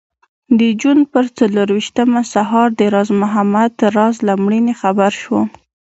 د جون پر څلرویشتمه سهار د راز محمد راز له مړینې خبر شوم.